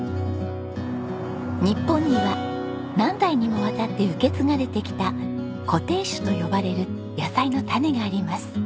日本には何代にもわたって受け継がれてきた固定種と呼ばれる野菜の種があります。